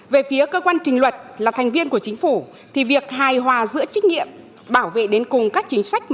về phía cơ quan trình luật là thành viên của chính phủ thì việc hài hòa giữa trách nhiệm bảo vệ đến cùng các chính sách